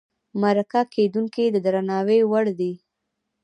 مرکه کېدونکی د درناوي وړ دی.